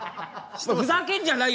ふざけんじゃないよ